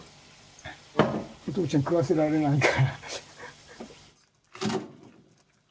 お父ちゃん食わせられないから。